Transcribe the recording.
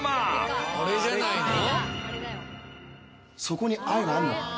「そこに愛はあんのか？」